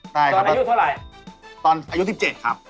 ตอนอายุเท่าไหร่ตอนอายุ๑๗ครับ